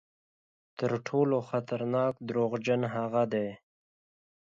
تر ټولو خطرناک دروغجن هغه دي.